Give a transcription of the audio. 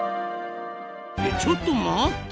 ちょっと待った！